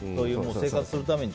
生活するために。